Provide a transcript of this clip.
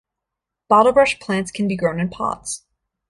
Bottlebrush plants can be grown in pots.